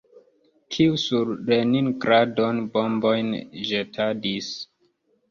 Kiu sur Leningradon bombojn ĵetadis?